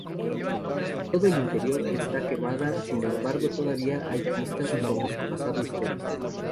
Todo el interior está quemada, sin embargo todavía hay pistas sobre su pasado histórico.